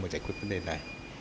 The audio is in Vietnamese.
và giải quyết vấn đề này